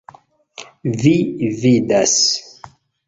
Vi vidas!